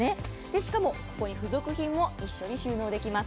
しかもここに付属品も一緒に収納できます。